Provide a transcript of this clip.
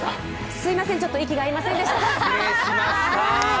すいません、ちょっと息が合いませんでした。